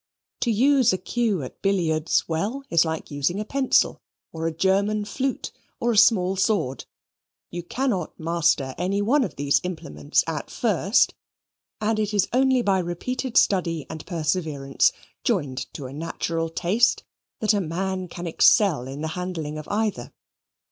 To use a cue at billiards well is like using a pencil, or a German flute, or a small sword you cannot master any one of these implements at first, and it is only by repeated study and perseverance, joined to a natural taste, that a man can excel in the handling of either.